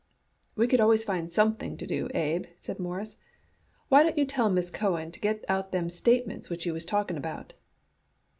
"We could always find something to do, Abe," said Morris. "Why don't you tell Miss Cohen to get out them statements which you was talking about?"